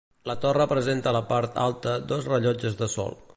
La torre presenta a la part alta dos rellotges de sol.